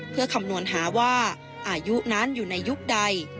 เพื่อคำนวณหาว่าอายุนั้นอยู่ในยุคใด